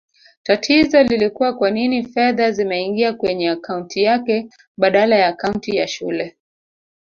Tatizo lilikua kwanini fedha zimeingia kwenye akaunti yake badala ya akaunti ya shule